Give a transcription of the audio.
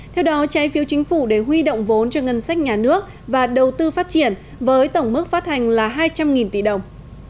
theo đó trái phiếu chính phủ để huy động vốn cho ngân sách nhà nước và đầu tư phát triển với tổng mức phát hành là hai trăm linh tỷ đồng